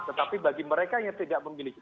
tetapi bagi mereka yang tidak memiliki